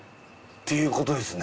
っていうことですね。